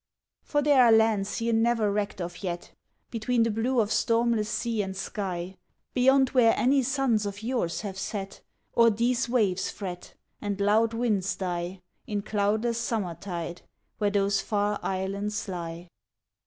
For there are lands ye never recked of yet Between the blue of stormless sea and sky, Beyond where any suns of yours have set, Or these waves fret; And loud winds die In cloudless summertide, where those far islands lie.